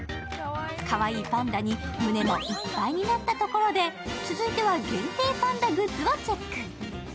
かわいいパンダに胸もいっぱいになったところで続いては限定パンダグッズをチェック。